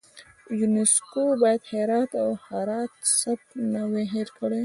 یونسکو باید هرات او د هرات سبک نه وای هیر کړی.